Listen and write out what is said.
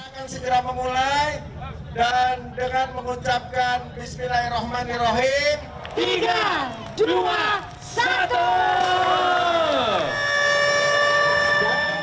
kita akan segera memulai dan dengan mengucapkan bismillahirrahmanirrahim